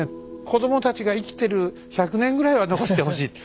「こどもたちが生きてる１００年ぐらいは残してほしい」って。